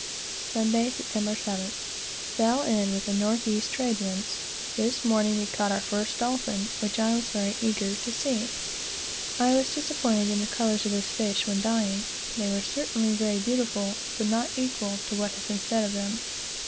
Sunday, Sept. 7th. Fell in with the north east trade winds. This morning we caught our first dolphin, which I was very eager to see. I was disappointed in the colors of this fish when dying. They were certainly very beautiful, but not equal to what has been said of them.